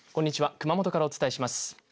熊本からお伝えします。